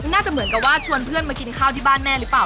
น่าจะเหมือนกับว่าชวนเพื่อนมากินข้าวที่บ้านแม่หรือเปล่า